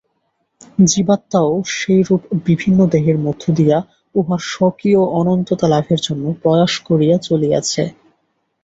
জীবাত্মাও সেইরূপ বিভিন্ন দেহের মধ্য দিয়া উহার স্বকীয় অনন্ততা লাভের জন্য প্রয়াস করিয়া চলিয়াছে।